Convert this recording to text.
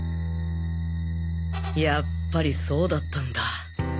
やっぱりそうだったんだ。